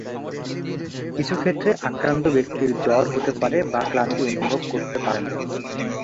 কিছু ক্ষেত্রে আক্রান্ত ব্যক্তির জ্বর হতে পারে বা ক্লান্তি অনুভব করতে পারেন।